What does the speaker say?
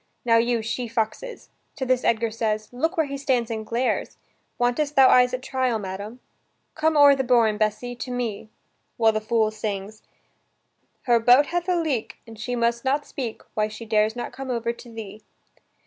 Now, you she foxes." To this Edgar says: "Look where he stands and glares! Wantest thou eyes at trial, madam?" "Come o'er the bourn, Bessy, to me, " while the fool sings: "Her boat hath a leak And she must not speak Why she dares not come over to thee."